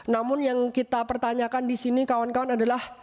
namun yang kita pertanyakan di sini kawan kawan adalah